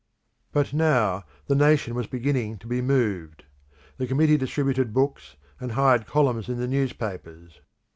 But now the nation was beginning to be moved. The Committee distributed books, and hired columns in the newspapers.